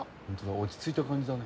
落ち着いた感じだね。